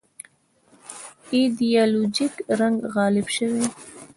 ایدیالوژیک رنګ غالب شوی.